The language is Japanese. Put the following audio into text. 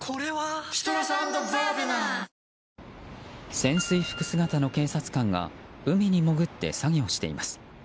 潜水服姿のの警察官が海に潜って作業しています。